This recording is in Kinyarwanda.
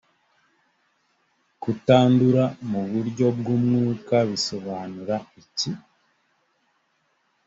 kutandura mu buryo bw’umwuka bisobanura iki‽